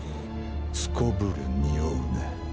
すこぶるにおうな。